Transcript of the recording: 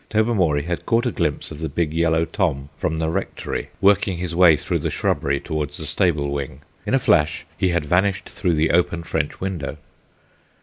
Tobermory had caught a glimpse of the big yellow Tom from the Rectory working his way through the shrubbery towards the stable wing. In a flash he had vanished through the open French window.